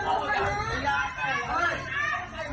ท่านดูเหตุการณ์ก่อนนะครับ